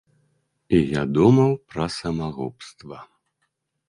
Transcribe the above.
І я думаў пра самагубства.